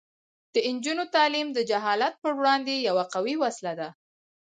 د نجونو تعلیم د جهالت پر وړاندې یوه قوي وسله ده.